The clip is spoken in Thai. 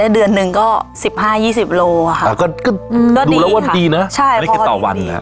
เดือนหนึ่งก็สิบห้ายี่สิบโลค่ะก็ดูแล้วว่าดีนะใช่ต่อวัน